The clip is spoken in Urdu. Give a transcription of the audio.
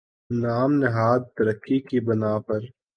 نام نہاد ترقی کی بنا پر